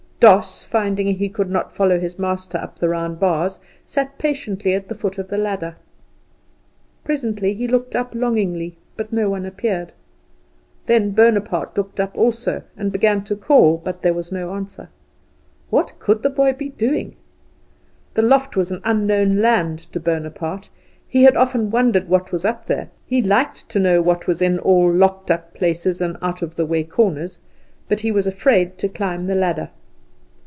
Doss, finding he could not follow his master up the round bars, sat patiently at the foot of the ladder. Presently he looked up longingly, but no one appeared. Then Bonaparte looked up also, and began to call; but there was no answer. What could the boy be doing? The loft was an unknown land to Bonaparte. He had often wondered what was up there; he liked to know what was in all locked up places and out of the way corners, but he was afraid to climb the ladder.